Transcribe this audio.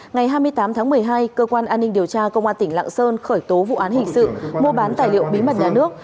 ngày hai mươi tám tháng một mươi hai cơ quan an ninh điều tra công an tỉnh lạng sơn khởi tố vụ án hình sự mua bán tài liệu bí mật nhà nước